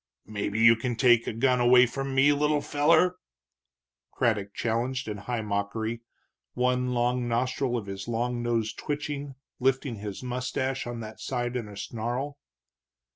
"Maybe you can take a gun away from me, little feller?" Craddock challenged in high mockery, one nostril of his long nose twitching, lifting his mustache on that side in a snarl.